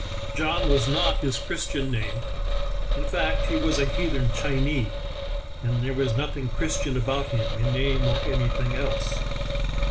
John was not his Christian name; in fact he was a "heathen Chinee," and there was nothing Christian about him, in name or anything else.